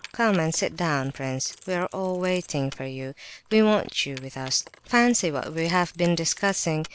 Come and sit down, prince, we are all waiting for you, we want you with us. Fancy what we have been discussing!